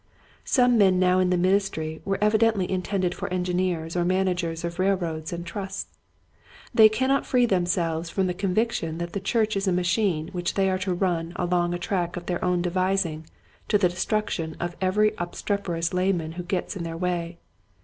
Some men now in the ministry were evidently intended for engineers or managers of railroads and trusts. They cannot free themselves from the conviction that the church is a machine which they are to run along a track of their own devising to the destruction of every obstreperous layman who gets in their way.